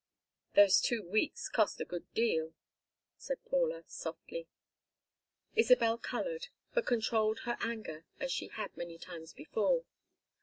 "Those two weeks cost a good deal," said Paula, softly. Isabel colored but controlled her anger as she had many times before.